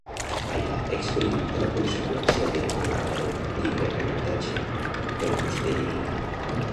Allà experimenta la conseqüència de l'Abel "llibre-aprenentatge", com vostè diria.